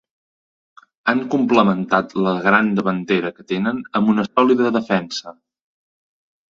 Han complementat la gran davantera que tenen amb una sòlida defensa.